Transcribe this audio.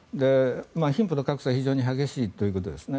貧富の格差が非常に激しいということですね。